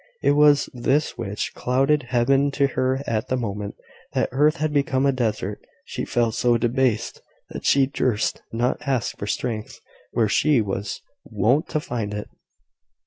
It was this which clouded Heaven to her at the moment that earth had become a desert. She felt so debased, that she durst not ask for strength where she was wont to find it.